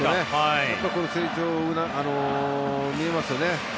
成長が見えますよね。